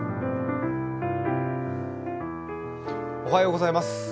おはようございます。